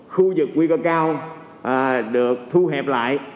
khu vực nguy cơ cao được thu hẹp lại